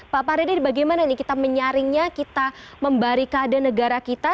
pak pardede bagaimana ini kita menyaringnya kita memberi keadaan negara kita